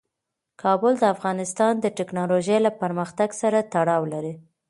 کابل د افغانستان د تکنالوژۍ له پرمختګ سره تړاو لري.